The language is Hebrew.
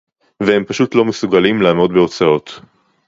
והם פשוט לא מסוגלים לעמוד בהוצאות